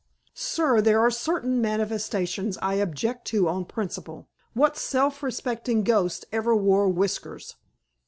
"Sir, there are certain manifestations I object to on principle. What self respecting ghost ever wore whiskers?"